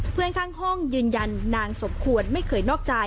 เพื่อนข้างห้องยืนยันนางสมควรไม่เคยนอกใจ